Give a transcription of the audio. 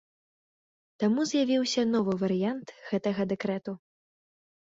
Таму з'явіўся новы варыянт гэтага дэкрэту.